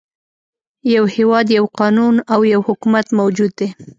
يو هېواد، یو قانون او یو حکومت موجود دی.